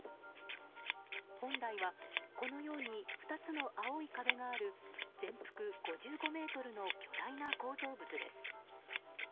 本来は、このように２つの青い壁がある全幅５５ｍの巨大な構造物です。